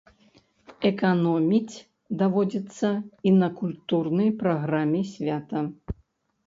Эканоміць даводзіцца і на культурнай праграме свята.